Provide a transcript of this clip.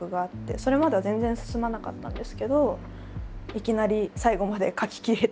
それまでは全然進まなかったんですけどいきなり最後まで書ききれてしまって「ああよかった」。